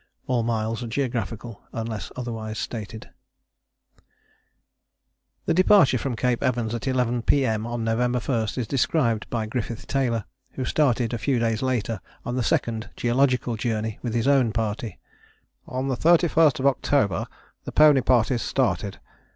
A. C. G. (All miles are geographical unless otherwise stated.) I. THE BARRIER STAGE The departure from Cape Evans at 11 P.M. on November 1 is described by Griffith Taylor, who started a few days later on the second Geological Journey with his own party: "On the 31st October the pony parties started.